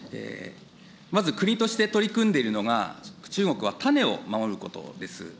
まず国として取り組んでいるのが、中国は種を守ることです。